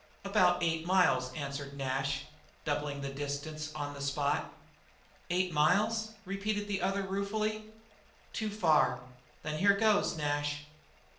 "About eight miles," answered Nash, doubling the distance on the spot. "Eight miles?" repeated the other ruefully. "Too far. Then here goes, Nash."